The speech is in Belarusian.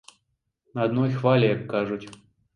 На адной хвалі, як кажуць.